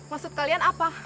maksud kalian apa